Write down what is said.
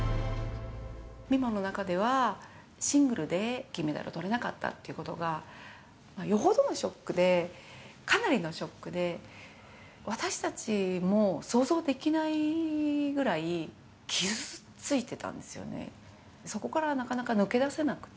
美誠の中では、シングルで金メダルをとれなかったっていうことが、よほどのショックで、かなりのショックで、私たちも想像できないぐらい傷ついてたんですよね。